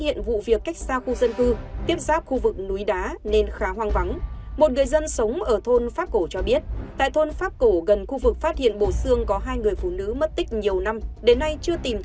hãy đăng ký kênh để nhận thông tin nhất